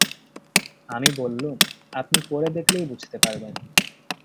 আমি বললুম, আপনি পড়ে দেখলেই বুঝতে পারবেন।